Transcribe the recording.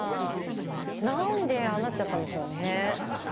なんで、ああなっちゃったんでしょうね。